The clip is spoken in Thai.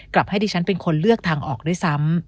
ให้ดิฉันเป็นคนเลือกทางออกด้วยซ้ำ